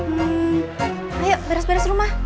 hmm ayo beres beres rumah